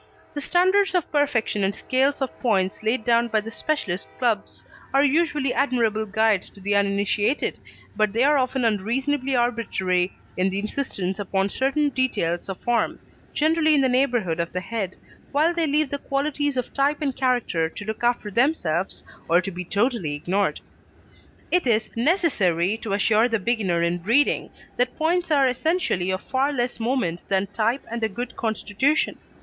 The standards of perfection and scales of points laid down by the specialist clubs are usually admirable guides to the uninitiated, but they are often unreasonably arbitrary in their insistence upon certain details of form generally in the neighbourhood of the head while they leave the qualities of type and character to look after themselves or to be totally ignored. It is necessary to assure the beginner in breeding that points are essentially of far less moment than type and a good constitution.